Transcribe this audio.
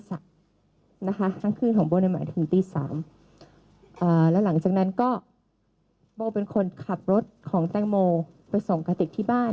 แล้วหลังจากนั้นก็โบเป็นคนขับรถของแต้งโมไปส่งกระติกที่บ้าน